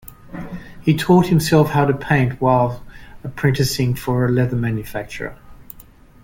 He taught himself how to paint while apprenticing for a leather manufacturer.